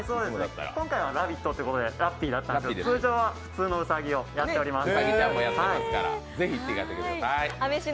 今回は「ラヴィット！」ということでラッピーだったんですけど、通常は普通のうさぎをやっております。